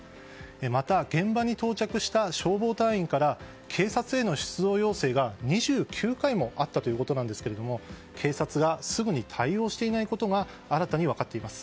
また、現場に到着した消防隊員から警察への出動要請が２９回もあったということなんですけども警察がすぐに対応していないことが新たに分かっています。